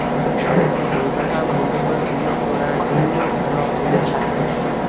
O‘zi ham bunga bir urinib ko‘rardi-yu, biroq juda charchadi.